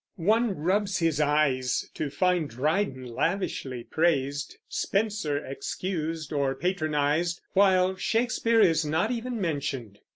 One rubs his eyes to find Dryden lavishly praised, Spenser excused or patronized, while Shakespeare is not even mentioned.